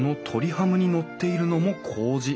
ハムに載っているのもこうじ。